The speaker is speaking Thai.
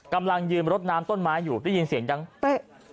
กำลังยืนรดน้ำต้นไม้อยู่ได้ยินเสียงดังเป๊ะ